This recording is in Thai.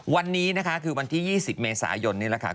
วันนี้นะคะคือวันที่๒๐เมษายนนี่แหละค่ะ